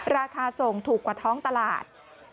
ราคาส่งถูกกว่าท้องตลาด